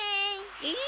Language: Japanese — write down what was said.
えっ？